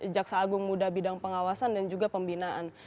jaksa agung muda bidang pengawasan dan juga pembinaan